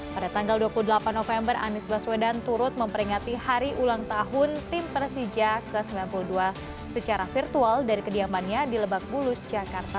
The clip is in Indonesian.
pada tanggal dua puluh delapan november anies baswedan turut memperingati hari ulang tahun tim persija ke sembilan puluh dua secara virtual dari kediamannya di lebak bulus jakarta